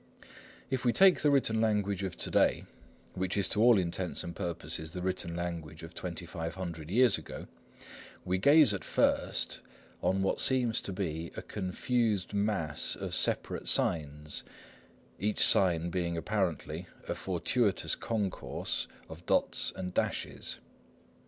If we take the written language of to day, which is to all intents and purposes the written language of twenty five hundred years ago, we gaze at first on what seems to be a confused mass of separate signs, each sign being apparently a fortuitous concourse of dots and dashes.